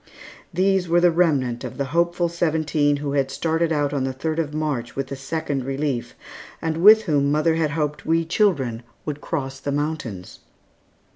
These were the remnant of the hopeful seventeen who had started out on the third of March with the Second Relief, and with whom mother had hoped we children would cross the mountains.